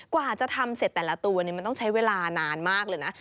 กว่าจะทำเสร็จแต่ละตัวมันต้องใช้เวลานานมากเลยนะ